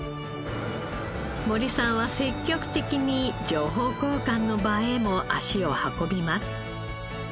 森さんは積極的に情報交換の場へも足を運びます。